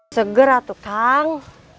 segera tuh kang